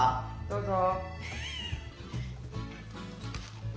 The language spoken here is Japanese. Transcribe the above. ・どうぞ。